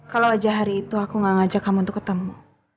kalau aja hari itu aku gak ngajak kamu untuk ketemu